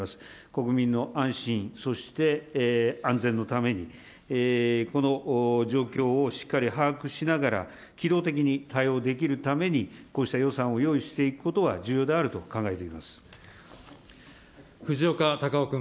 国民の安心そして安全のために、この状況をしっかり把握しながら、機動的に対応できるためにこうした予算を用意していくことは重要藤岡隆雄君。